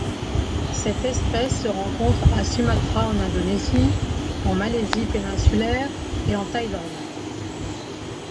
Cette espèce se rencontre à Sumatra en Indonésie, en Malaisie péninsulaire et en Thaïlande.